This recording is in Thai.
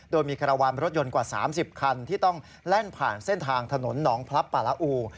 โดยมีคารวาลรถยนต์กว่า๓๐คันที่ต้องแล่นผ่านเส้นทางถนนหนองพลับป่าละอู